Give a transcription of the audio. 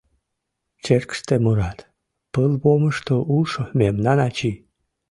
Черкыште мурат: «Пылвомышто улшо мемнан ачий.